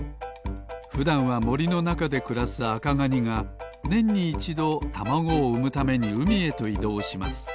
ふだんはもりのなかでくらすアカガニがねんにいちどたまごをうむためにうみへといどうします